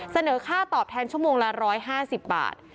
เสนอค่าตอบแทนชั่วโมงละ๑๕๐บาท